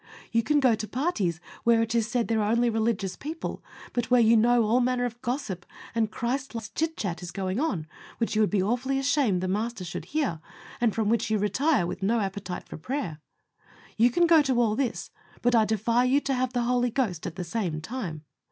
You can go to parties where it is said there are only religious people, but where you know all manner of gossip and Christless chit chat is going on, which you would be awfully ashamed the Master should hear, and from which you retire with no appetite for prayer. You can go to all this, but I defy you to have the Holy Ghost at the same time.